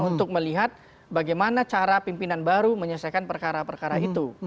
untuk melihat bagaimana cara pimpinan baru menyelesaikan perkara perkara itu